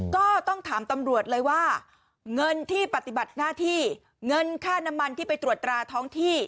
ก็ต้องถามตำรวจเลยว่าเงินที่ปฏิบัติหน้าที่เงินค่าน้ำมันที่ไปตรวจตราท้องที่